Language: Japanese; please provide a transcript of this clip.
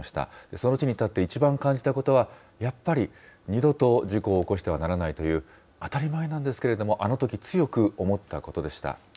その地に立って、いちばん感じたことはやっぱり、二度と事故を起こしてはならないという、当たり前なんですけれども、あのとき強く思ったことでした。